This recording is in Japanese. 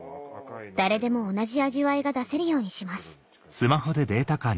誰でも同じ味わいが出せるようにします